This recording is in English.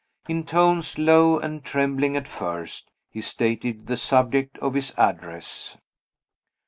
In tones low and trembling at first, he stated the subject of his address.